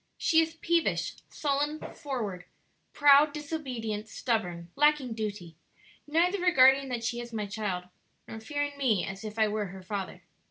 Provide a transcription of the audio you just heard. She is peevish, sullen, froward, Proud, disobedient, stubborn, lacking duty; Neither regarding that she is my child, Nor fearing me as If I were her father.